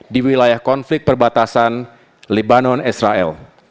di wilayah konflik perbatasan libanon israel